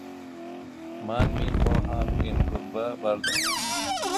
من می خواهم این گربه بر دارم.